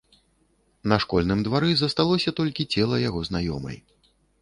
На школьным двары засталося толькі цела яго знаёмай.